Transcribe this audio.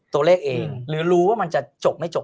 ตัวเลขเองหรือรู้ว่ามันจะจบไม่จบ